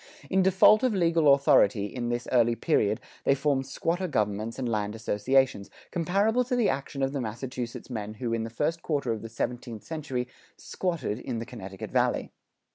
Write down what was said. In default of legal authority, in this early period, they formed squatter governments and land associations, comparable to the action of the Massachusetts men who in the first quarter of the seventeenth century "squatted" in the Connecticut Valley.